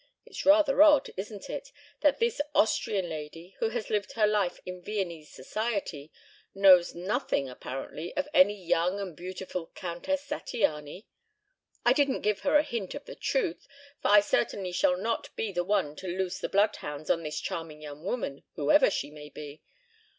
It's rather odd, isn't it, that this Austrian lady, who has lived her life in Viennese Society, knows nothing apparently of any young and beautiful Countess Zattiany? I didn't give her a hint of the truth, for I certainly shall not be the one to loose the bloodhounds on this charming young woman, whoever she may be.